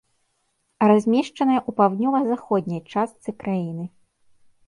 Размешчаная ў паўднёва-заходняй частцы краіны.